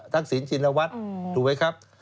ถูกไหมครับ